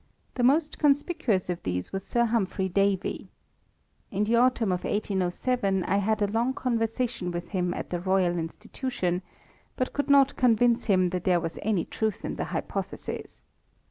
The most conspicuous of these was Sir Humphry Davy. In the autumn of 1807 I had a long conversation with him at the Royal Institution, but could not convince him that there was any truth in the hypothesis.